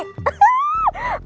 pasti mas ren disayangku